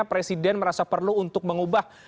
presiden merasa perlu untuk mengubah